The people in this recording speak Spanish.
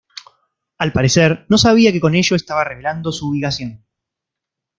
Al parecer, no sabía que con ello estaba revelando su ubicación.